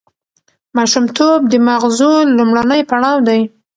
ماشومتوب د ماغزو لومړنی پړاو دی.